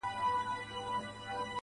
ما او تا د وخت له ښايستو سره راوتي يـو.